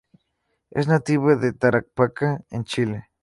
Es nativa de Tarapacá en Chile.